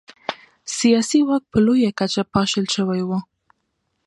سیاسي واک په لویه کچه پاشل شوی و.